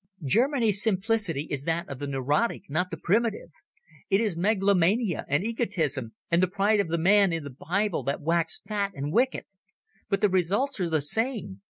"Germany's simplicity is that of the neurotic, not the primitive. It is megalomania and egotism and the pride of the man in the Bible that waxed fat and kicked. But the results are the same.